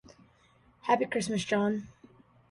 Happy Christmas, John.